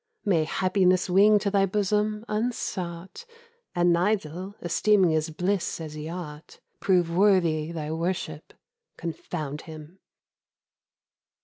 May happiness wing to thy bosom, unsought, And Nigel, esteeming his bliss as he ought, Prove worthy thy worship, confound him!